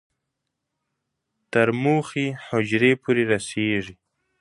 تر هدف حجرې پورې رسېږي.